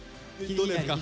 どうですか？